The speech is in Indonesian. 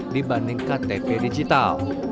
dibanding ktp digital